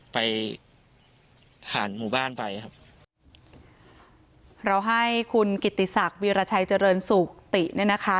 ไปผ่านหมู่บ้านไปครับเราให้คุณกิติศักดิ์วีรชัยเจริญสุขติเนี่ยนะคะ